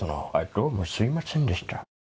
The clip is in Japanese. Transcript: どうもすいませんでした。